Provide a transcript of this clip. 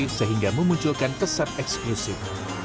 dan makhluknya juga mengunculkan kesan eksklusif